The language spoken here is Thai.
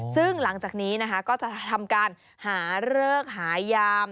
ซึ่งหลังจากนี้นะคะก็จะทำการหาเลิกหายาม